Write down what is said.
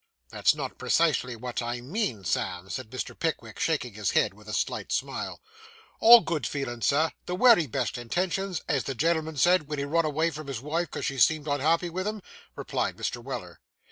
'That's not precisely what I meant, Sam,' said Mr. Pickwick, shaking his head, with a slight smile. 'All good feelin', sir the wery best intentions, as the gen'l'm'n said ven he run away from his wife 'cos she seemed unhappy with him,' replied Mr. Weller.